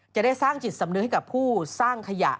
จะได้สร้างจิตสำนึกให้กับผู้สร้างขยะ